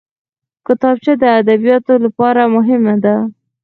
کتابچه د ادبیاتو لپاره مهمه ده